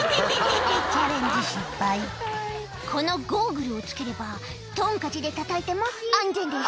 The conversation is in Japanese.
「チャレンジ失敗」「このゴーグルを着ければトンカチでたたいても安全です」